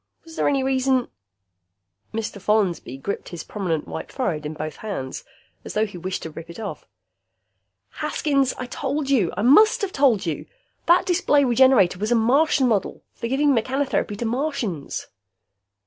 Was there any reason " Mr. Follansby gripped his prominent white forehead in both hands, as though he wished to rip it off. "Haskins, I told you. I must have told you! That display Regenerator was a Martian model. For giving mechanotherapy to Martians."